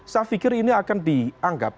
saya pikir ini akan dianggap